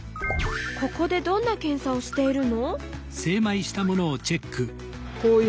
ここでどんな検査をしているの？